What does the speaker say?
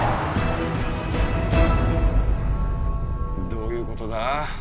どういうことだ？